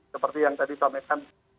seperti yang tadi tamatkan